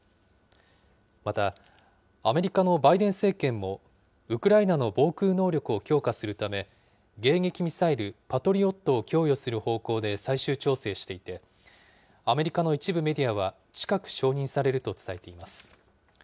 また、アメリカのバイデン政権もウクライナの防空能力を強化するため、迎撃ミサイル、パトリオットを供与する方向で最終調整していて、アメリカの一部メディアは、近く承認されると伝えています。